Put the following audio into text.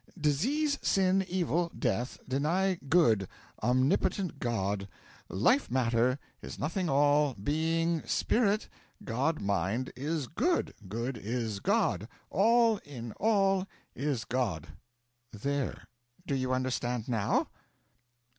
Disease sin evil death deny Good omnipotent God life matter is nothing all being Spirit God Mind is Good good is God all in All is God. There do you understand now?